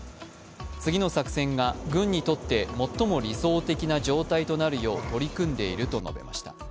次の作戦が軍にとって最も理想的な状態となるよう取り組んでいると述べました。